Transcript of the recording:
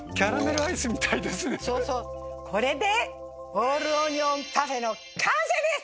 これでオールオニオンパフェの完成です！